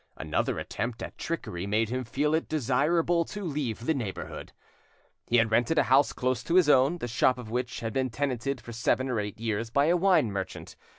Another attempt at trickery made him feel it desirable to leave the neighbourhood. He had rented a house close to his own, the shop of which had been tenanted for seven or eight years by a wine merchant.